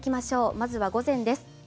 まずは午前です。